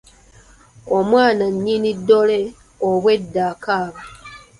Omwana nnyini ddole obwedda akaaba.